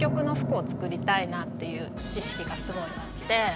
なっていう意識がすごいあって。